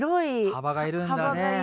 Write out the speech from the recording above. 幅がいるんですね。